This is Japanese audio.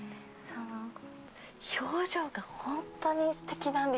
その表情がほんとにすてきなんですよ。